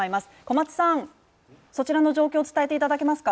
そちらの状況を伝えていただけますか？